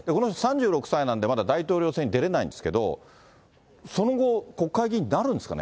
この人３６歳なんで、まだ大統領選に出れないんですけど、その後、国会議員になるんですかね？